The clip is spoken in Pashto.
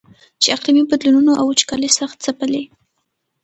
چې اقلیمي بدلونونو او وچکالۍ سخت ځپلی.